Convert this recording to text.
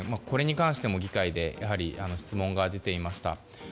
これに関しても議会で質問が出ていました。